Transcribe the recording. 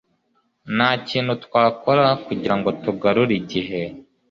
ntakintu twakora kugirango tugarure igihe